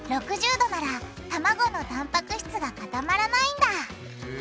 ℃ならたまごのたんぱく質が固まらないんだへぇ。